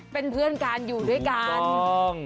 เป็นเพื่อนกันอยู่ด้วยกัน